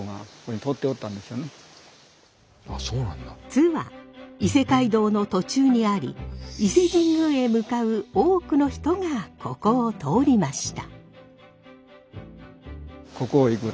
津は伊勢街道の途中にあり伊勢神宮へ向かう多くの人がここを通りました。